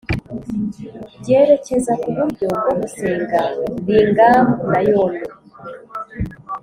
byerekeza ku buryo bwo gusenga lingam na yoni